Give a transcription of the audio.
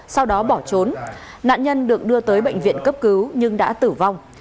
sau đó bỏ trốn nạn nhân được đưa tới bệnh viện cấp cứu nhưng đã tử vong